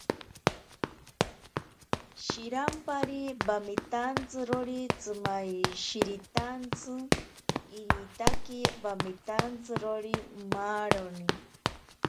Shirampari wamitantsirori tsimashiritantsi, iritaki wamitantsirori maaroni.